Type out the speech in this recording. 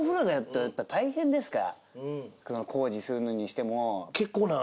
工事するのにしても。